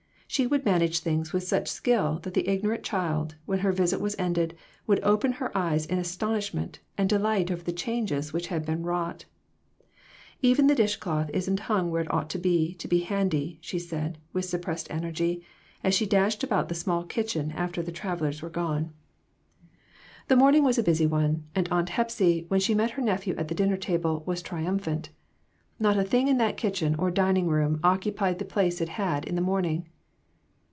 She would manage things with such skill that the ignorant child, when her visit was ended, would open her eyes in astonish ment and delight over the changes which had been wrought. "Even the dishcloth isn't hung where it ought to be to be handy," she said, with suppressed energy, as she clashed about the small kitchen after the travelers were gone. 136 MORAL EVOLUTION. The morning was a busy one, and Aunt Hepsy, when she met her nephew at the dinner table, was triumphant. Not a thing in that kitchen or din ing room occupied the place it had held in the morning.